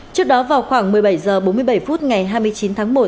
trước đó vào khoảng một mươi bảy h bốn mươi bảy phút ngày hai mươi ba h